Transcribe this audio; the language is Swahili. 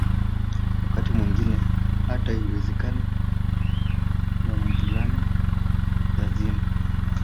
Wakati mwingine hata haiwezekani na wavulana lazima